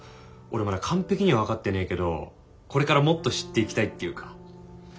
俺まだ完璧には分かってねえけどこれからもっと知っていきたいっていうか。